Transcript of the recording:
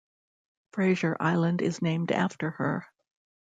Fraser Island is named after her.